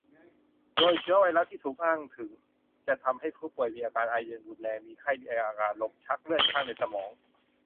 โดยเชื้อไวรัสที่ถูกอ้างถึงจะทำให้ผู้ป่วยมีอาการไออย่างรุนแรง มีไข้ มีอาการลมชัก เลือดคั่งในสมอง